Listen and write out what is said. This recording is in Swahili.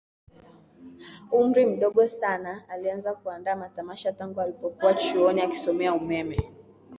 umri mdogo sana Alianza kuandaa matamasha tangu alipokuwa chuoni akisomea umeme